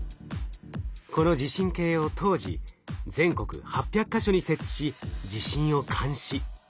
この地震計を当時全国８００か所に設置し地震を監視。